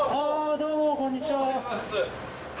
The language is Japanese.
どうもこんにちは。